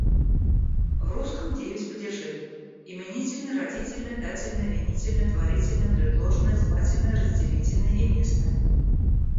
В русском девять падежей: именительный, родительный, дательный, винительный, творительный, предложный, звательный, разделительный и местный.